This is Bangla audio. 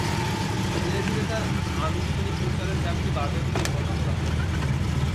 ধীরে ধীরে তাঁর আনুষ্ঠানিক প্রচারের ব্যাপ্তি বাড়বে বলেই ধারণা করা হচ্ছে।